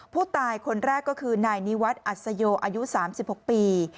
ผู้ตายคนแรกก็คือนายนิวัฒน์อัศโยอายุ๓๖ปี